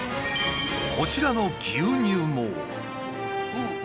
こちらの牛乳も。